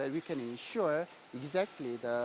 agar kita bisa memastikan